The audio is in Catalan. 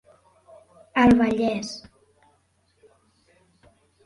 El Vallès.